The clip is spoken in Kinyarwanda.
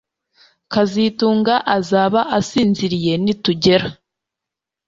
kazitunga azaba asinziriye nitugera